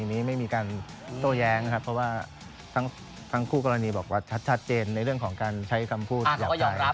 เพราะว่าทั้งคู่กรณีบอกว่าก็ชัดเจนในเรื่องของการใช้คำพูดหรอกภาย